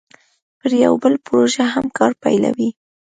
پر یوه بله پروژه هم کار پیلوي